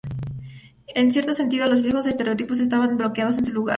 En cierto sentido, los viejos estereotipos estaban bloqueados en su lugar.